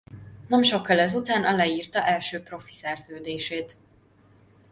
Nem sokkal ezután aláírta első profi szerződését.